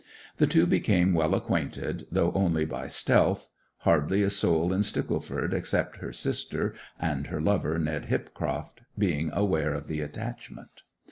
The two became well acquainted, though only by stealth, hardly a soul in Stickleford except her sister, and her lover Ned Hipcroft, being aware of the attachment.